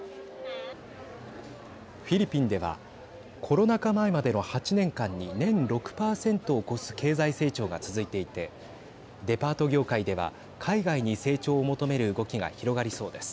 フィリピンではコロナ禍前までの８年間に年６％を超す経済成長が続いていてデパート業界では海外に成長を求める動きが広がりそうです。